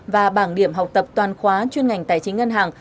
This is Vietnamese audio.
và bảng điểm học tập toàn khóa chuyên ngành tài chính ngân hàng